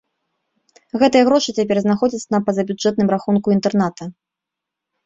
Гэтыя грошы цяпер знаходзяцца на пазабюджэтным рахунку інтэрната.